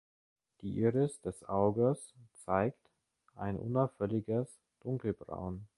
Die Iris des Auges zeigt ein unauffälliges Dunkelbraun.